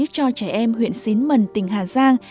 cho trẻ em huyện xín mần tỉnh hà giang